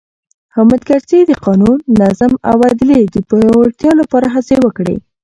حامد کرزي د قانون، نظم او عدلیې د پیاوړتیا لپاره هڅې وکړې.